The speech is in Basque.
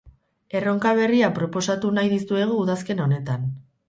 Erronka berria proposatu nahi dizuegu udazken honetan.